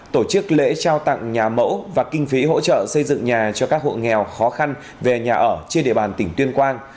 tổ chức lễ trao tặng nhà mẫu và kinh phí hỗ trợ xây dựng nhà cho các hộ nghèo khó khăn về nhà ở trên địa bàn tỉnh tuyên quang